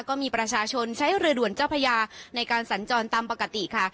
ก็มีประชาชนใช้เรือด่วนเจ้าพญาในการสัญจรตามปกติค่ะ